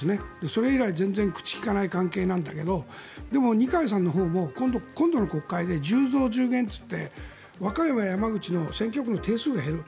それ以来、全然口を利かない関係なんだけどでも、二階さんのほうも今度の国会で１０増１０減といって和歌山、山口の選挙区の定数が減る。